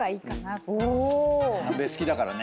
南米好きだからね。